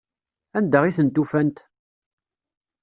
Anda i tent-ufant?